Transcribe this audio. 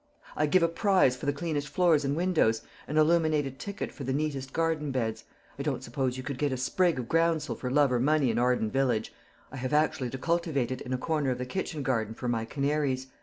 "I give a prize for the cleanest floors and windows, an illuminated ticket for the neatest garden beds. I don't suppose you could get a sprig of groundsel for love or money in Arden village. I have actually to cultivate it in a corner of the kitchen garden for my canaries.